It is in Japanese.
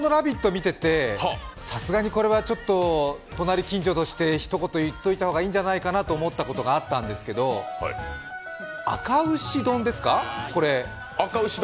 見ててさすがにこれはちょっと隣近所としてひと言言っておいた方がいいと思うことがあったんですけどあか牛丼ですか、これ。